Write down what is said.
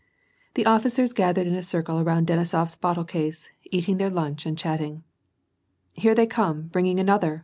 The officers gathered in a circle around Denisof s bottle case, eating their lunch and chatting. " Here they come, bringing another